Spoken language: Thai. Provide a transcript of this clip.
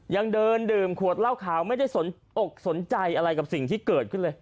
ยังเดินดื่มขวดเหล้าขาวไม่ได้สนอกสนใจอะไรกับสิ่งที่เกิดขึ้นเลย